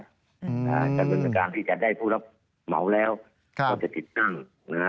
การที่จะได้ผู้รับเหมาแล้วก็จะติดตั้ง